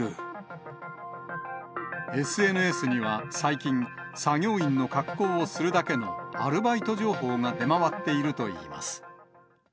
ＳＮＳには最近、作業員の格好をするだけのアルバイト情報が出回っているといいます。